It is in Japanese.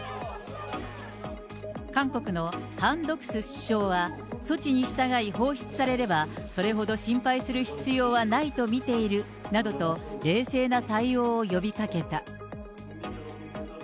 韓国のハン・ドクス首相は、措置に従い放出されればそれほど心配する必要はないと見ているなどと、冷静な対応を呼びかけた。